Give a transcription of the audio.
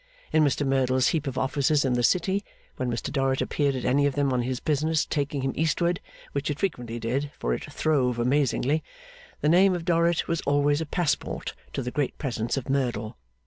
In Mr Merdle's heap of offices in the City, when Mr Dorrit appeared at any of them on his business taking him Eastward (which it frequently did, for it throve amazingly), the name of Dorrit was always a passport to the great presence of Merdle.